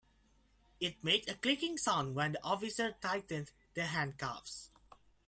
It made a clicking sound when the officer tightened the handcuffs.